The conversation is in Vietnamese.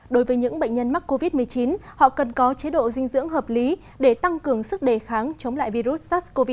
đối với những bệnh nhân mắc covid một mươi chín họ cần có chế độ dinh dưỡng hợp lý để tăng cường sức đề kháng chống lại virus sars cov hai